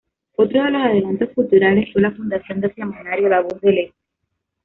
Otros de los adelantos Culturales fue la fundación del Semanario La Voz del Este.